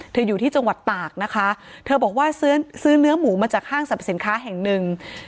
อยู่ที่จังหวัดตากนะคะเธอบอกว่าซื้อซื้อเนื้อหมูมาจากห้างสรรพสินค้าแห่งหนึ่ง